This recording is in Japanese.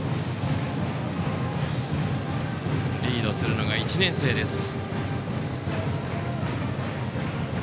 リードするのが１年生です。